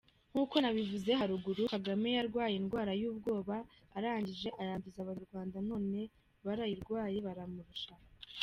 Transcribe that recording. Nkuko nabivuze haruguru, Kagame yarwaye indwara y’ubwoba arangije ayanduza abanyarwanda none barayirwaye baramurusha.